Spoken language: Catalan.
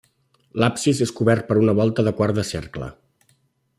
L'absis és cobert per una volta de quart de cercle.